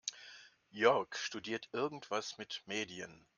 Jörg studiert irgendwas mit Medien.